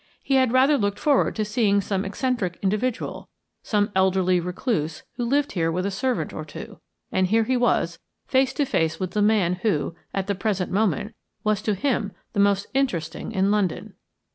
He had rather looked forward to seeing some eccentric individual, some elderly recluse who lived there with a servant or two. And here he was, face to face with the man who, at the present moment, was to him the most interesting in London.